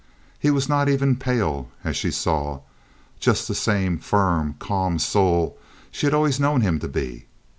He was not even pale, as she saw, just the same firm, calm soul she had always known him to be.